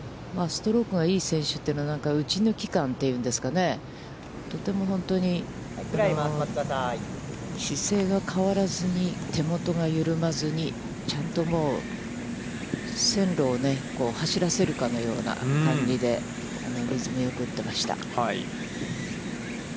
ストロークがいい選手は、打ち抜き感というんですかね、とても本当に姿勢が変わらずに、手元が緩まずに、ちゃんと線路を走らせるかのような感じで、リズムよく打っていました。